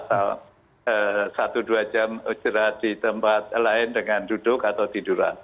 asal satu dua jam istirahat di tempat lain dengan duduk atau tiduran